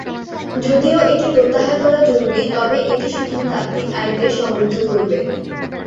যদিও এটি প্রত্যাহার করা জরুরি, তবে এটি শুধু তাত্ত্বিক আইনকে সমৃদ্ধ করবে।